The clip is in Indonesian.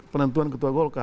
penentuan ketua golkar